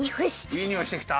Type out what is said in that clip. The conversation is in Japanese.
いいにおいしてきた？